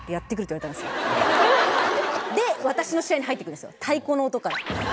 で私の試合に入ってくる太鼓の音から。